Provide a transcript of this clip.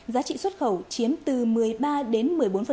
giá trị xuất khẩu chiếm từ một mươi ba đến một mươi bốn